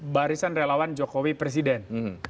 barisan relawan jokowi presiden